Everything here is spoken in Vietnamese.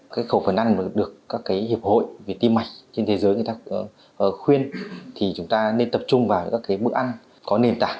cái khẩu phần ăn được các hiệp hội về tim mạch trên thế giới khuyên thì chúng ta nên tập trung vào các bữa ăn có nền tảng